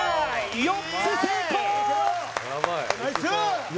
４つ成功！